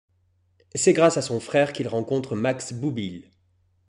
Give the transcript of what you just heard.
C'est grâce à son frère qu'il rencontre Max Boublil.